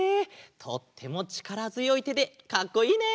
とってもちからづよいてでかっこいいね！